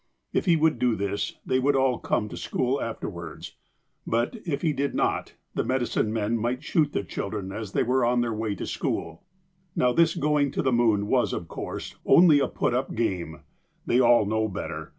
If he would do this, they would all come to school after wards. But, if he did not, the medicine men might shoot the children as they were on their way to school. Now this going to the moon was, of course, only a put up game. They all know better.